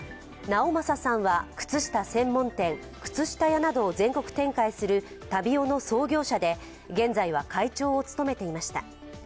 直正さんは、靴下専門店靴下屋などを全国展開するＴａｂｉｏの創業者で、現在は会長を務めていました。